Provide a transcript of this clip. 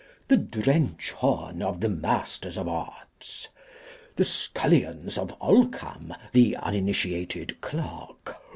The Drench horn of the Masters of Arts. The Scullions of Olcam, the uninitiated Clerk.